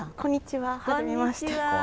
はじめまして。